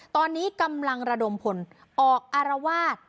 ตอนนี้กำลังระดมพลออกอารวาส